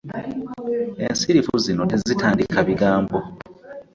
Ensirifu zino tezitandika bigambo.